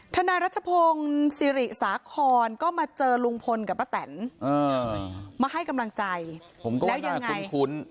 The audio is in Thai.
นายรัชพงศ์สิริสาครก็มาเจอลุงพลกับป้าแตนมาให้กำลังใจแล้วยังคุ้น